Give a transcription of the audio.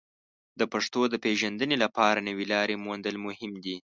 د پښتو د پیژندنې لپاره نوې لارې موندل مهم دي.